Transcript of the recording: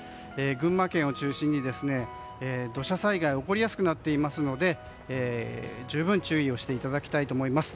群馬県を中心に、土砂災害が起こりやすくなっていますので十分注意をしていただきたいと思います。